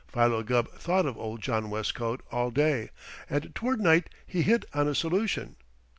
Philo Gubb thought of old John Westcote all day, and toward night he hit on a solution.